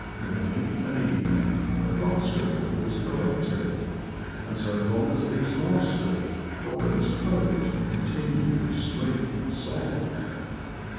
Morning and evening a basketful was col lected, and so long as these lasted Dobbin's coat continued sleek and soft.